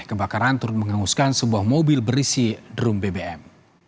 kebakaran turut menghanguskan sebuah mobil berisi drum bbm